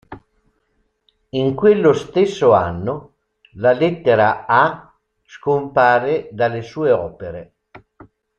In quello stesso anno la lettera "A" scompare dalle sue opere.